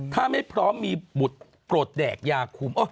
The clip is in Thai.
ถ้าไม่พร้อมมีบุตรโปรดแดกยาคุม